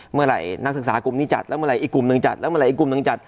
เมื่อไหร่นักศึกษากลุ่มนี้จัดแล้วเมื่อไหรอีกกลุ่มหนึ่งจัดแล้วเมื่อไหอีกกลุ่มหนึ่งจัด